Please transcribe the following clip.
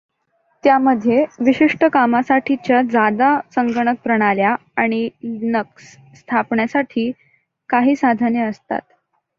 त्यामध्ये विशिष्ठ कामासाठीच्या जादा संगणकप्रणाल्या आणि लिनक्स स्थापण्यासाथी काही साधने असतात.